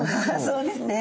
そうですね。